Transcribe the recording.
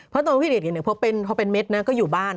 เพราะตอนพี่เด็กเห็นไหมเพราะเป็นเม็ดนะก็อยู่บ้าน